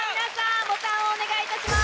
ボタンをお願いいたします。